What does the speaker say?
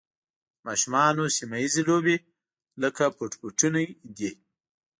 د ماشومانو سیمه ییزې لوبې لکه پټ پټونی دي.